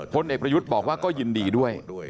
พลเอกประยุทธ์บอกว่าก็ยินดีด้วย